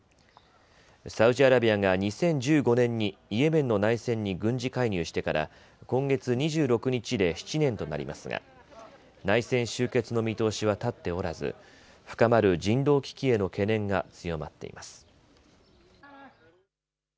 サウジアラビアが２０１５年にイエメンの内戦に軍事介入してから今月２６日で７年となりますが内戦終結の見通しは立っておらず深まる人道危機への懸念が強まっています。